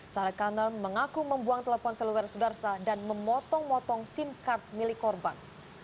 sarah kanal mengaku membuang telepon seluler sudarsa dan memotong motong sim card milik korban